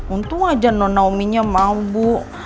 untung aja non nauminya mabuk